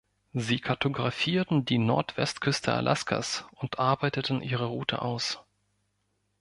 Sie kartografierten die Nordwestküste Alaskas und arbeiteten ihre Route aus.